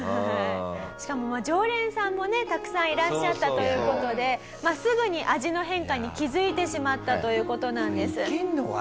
しかも常連さんもねたくさんいらっしゃったという事ですぐに味の変化に気づいてしまったという事なんです。